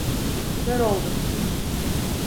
Kör oldum!